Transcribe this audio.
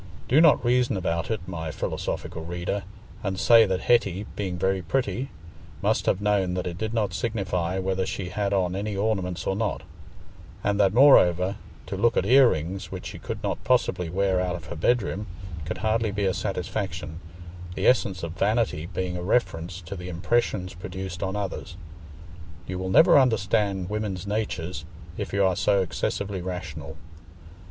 Do not reason about it, my philosphical reader, and say that Hetty, being very pretty, must have known that it did not signify whether she had on any ornaments or not; and that, moreover, to look at ear rings which she could not possibly wear out of her bedroom could hardly be a satisfaction, the essence of vanity being a reference to the impressions produced on others; you will never understand women's natures if you are so excessively rational.